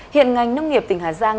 hiện ngành nước nghiệp tỉnh hà giang